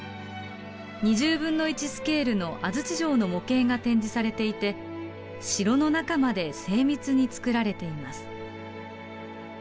２０分の１スケールの安土城の模型が展示されていて城の中まで精密に作られています。